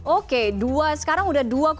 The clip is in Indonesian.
oke sekarang udah dua